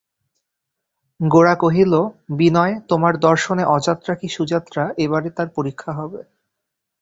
গোরা কহিল, বিনয়, তোমার দর্শনে অযাত্রা কি সুযাত্রা এবারে তার পরীক্ষা হবে।